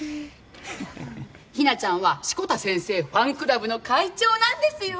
日菜ちゃんは志子田先生ファンクラブの会長なんですよ。